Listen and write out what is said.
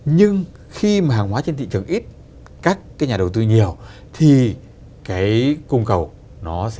nhưng khi mà hàng hóa trên thị trường ít các cái nhà đầu tư nhiều thì cái cung cầu nó sẽ